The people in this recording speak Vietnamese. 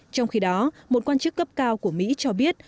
trong khi đó một quan chức cấp cao của mỹ cho biết